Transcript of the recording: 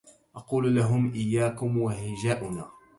أقول لهم إياكم وهجاءنا